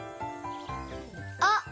あっ！